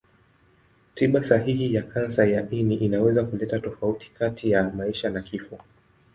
Tiba sahihi ya kansa ya ini inaweza kuleta tofauti kati ya maisha na kifo.